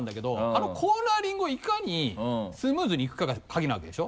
あのコーナリングをいかにスムーズに行くかがカギなわけでしょ？